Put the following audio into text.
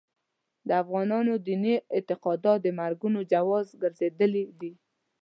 د افغانانو دیني اعتقادات د مرګونو جواز ګرځېدلي دي.